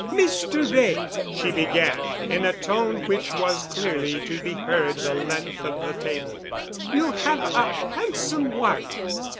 "Mr. Wray," she began, in a tone which was clearly to be heard the length of the table, "you have a handsome wife."